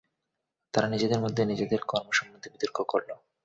তারা নিজেদের মধ্যে নিজেদের কর্ম সম্বন্ধে বিতর্ক করল।